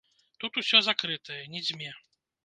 Тут усё закрытае, не дзьме.